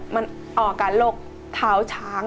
มันออกอาการโรคเท้าช้าง